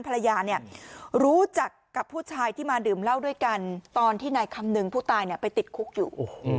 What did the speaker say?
ภรรยาเนี่ยรู้จักกับผู้ชายที่มาดื่มเหล้าด้วยกันตอนที่นายคำนึงผู้ตายไปติดคุกอยู่